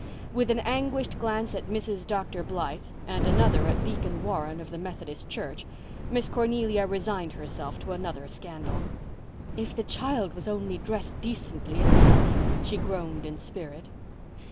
With an anguished glance at Mrs. Dr. Blythe, and another at Deacon Warren of the Methodist Church, Miss Cornelia resigned herself to another scandal. "If the child was only dressed decently itself," she groaned in spirit.